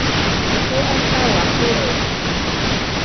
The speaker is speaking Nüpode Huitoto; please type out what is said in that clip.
Kue ataua kurede.